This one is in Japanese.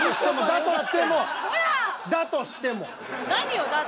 「だとしても」って。